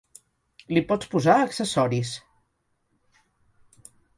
Li pots posar accessoris.